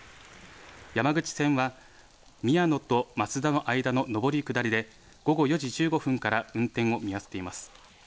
山口線は宮野と益田の間の上り下りで午後４時１５分から運転を見合わせています。